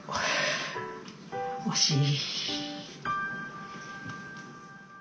惜しい。